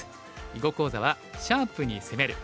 囲碁講座は「シャープに攻める」。